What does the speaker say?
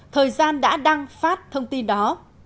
thời gian đã đăng phát thông tin đó